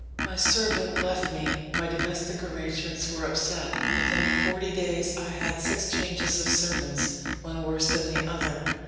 _ My servant left me; my domestic arrangements were upset; within forty days I had six changes of servants one worse than the other.